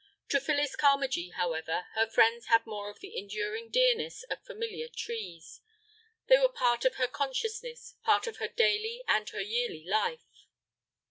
To Phyllis Carmagee, however, her friends had more of the enduring dearness of familiar trees. They were part of her consciousness, part of her daily and her yearly life.